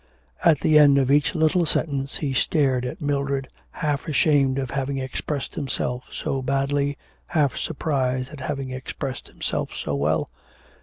At the end of each little sentence he stared at Mildred, half ashamed at having expressed himself so badly, half surprised at having expressed himself so well.